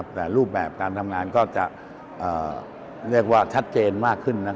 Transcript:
แต่รูปแบบการทำงานก็จะชัดเจนมากขึ้น